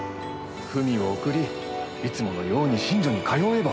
文を送りいつものように寝所に通えば。